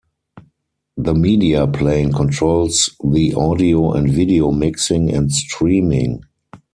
The Media Plane controls the audio and video mixing and streaming.